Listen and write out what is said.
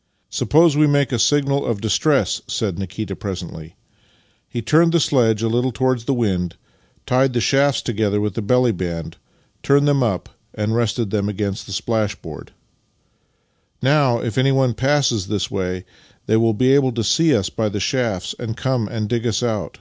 " Suppc3se we make a signal of distress," said Nikita, presently. He turned the sledge a little towards the wind, tied the shafts together with the belly band, turned them up, and rested them against the splashboard. " Now, if anyone passes this way they will be able to see us by the shafts, and come and dig us out.